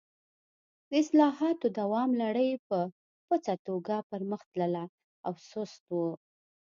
د اصلاحاتو دوام لړۍ په پڅه توګه پر مخ تلله او سست و.